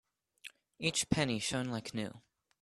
Each penny shone like new.